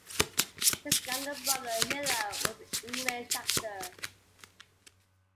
His younger brother Milo was an English actor.